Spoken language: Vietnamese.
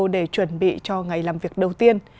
để chuẩn bị cho ngày làm việc đầu tiên